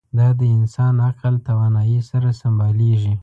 دا د انسان عقل توانایۍ سره سمبالېږي.